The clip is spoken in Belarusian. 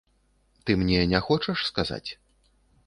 Ты мне не хочаш сказаць?